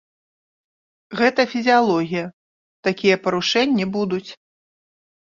Гэта фізіялогія, такія парушэнні будуць.